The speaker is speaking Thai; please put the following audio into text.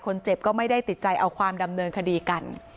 คนเจ็บก็ไม่ได้ติดใจเอาความดำเนินคดีกัน